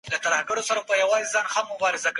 د ابوبکر صديق رضي الله عنه زوم دی.